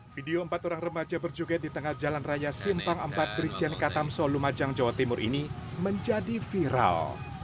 video empat orang remaja berjoget di tengah jalan raya simpang empat brikjen katamsolumajang jawa timur ini menjadi viral